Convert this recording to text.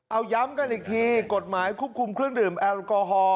เอาย้ำกันอีกทีกฎหมายควบคุมเครื่องดื่มแอลกอฮอล